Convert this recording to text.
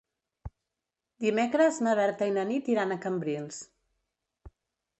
Dimecres na Berta i na Nit iran a Cambrils.